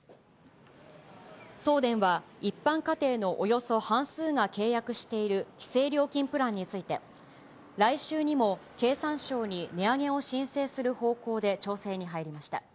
東電は、一般家庭のおよそ半数が契約している規制料金プランについて、来週にも経産省に値上げを申請する方向で調整に入りました。